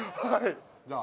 じゃあ。